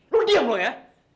lo diam lo ya